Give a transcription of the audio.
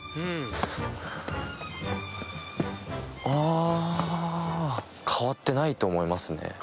ああ変わってないと思いますね。